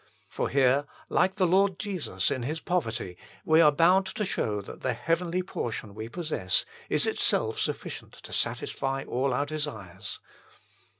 For here, like the Lord Jesus in His poverty, we are bound to show that the heavenly portion we possess is itself sufficient to satisfy all our desires.